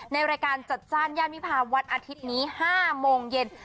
ในรายการจัดจ้านย่านวิพาวันอาทิตย์นี้๕โมงเย็น